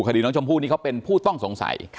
คดีน้องชมพู่นี่เขาเป็นผู้ต้องสงสัย